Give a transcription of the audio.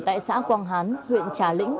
tại xã quang hán huyện trà lĩnh